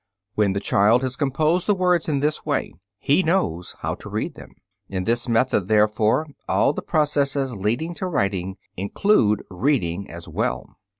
When the child has composed the words in this way, he knows how to read them. In this method, therefore, all the processes leading to writing include reading as well.